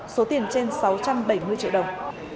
số tiền trên sáu trăm bảy mươi triệu đồng